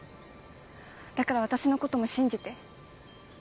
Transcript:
だから私の事も信じて。